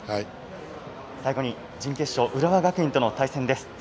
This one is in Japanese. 最後に準決勝浦和学院との対戦です。